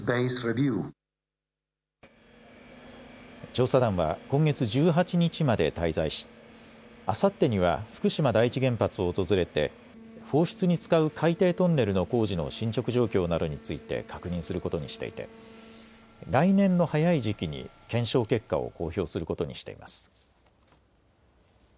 調査団は今月１８日まで滞在しあさってには福島第一原発を訪れて放出に使う海底トンネルの工事の進捗状況などについて確認することにしていて来年の早い時期に検証結果を公表することにしています。